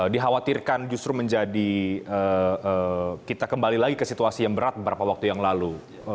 dikhawatirkan justru menjadi kita kembali lagi ke situasi yang berat beberapa waktu yang lalu